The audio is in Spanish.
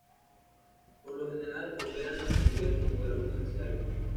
Por lo general operan La mayoría como vuelos comerciales.